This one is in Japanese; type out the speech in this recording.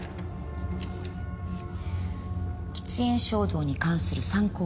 喫煙衝動に関する参考記事。